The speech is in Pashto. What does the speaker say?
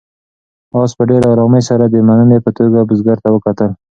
آس په ډېرې آرامۍ سره د مننې په توګه بزګر ته وکتل.